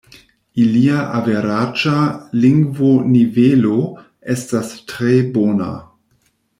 Ilia averaĝa lingvonivelo estas tre bona.